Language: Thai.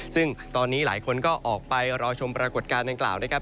ซึ่งตอนนี้หลายคนก็ออกไปรอชมปรากฏการณ์ดังกล่าวนะครับ